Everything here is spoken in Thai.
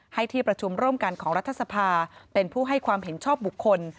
ให้ที่ประชุมร่วมกันของรัฐสภาเป็นผู้ให้ความเห็นชอบบุคคล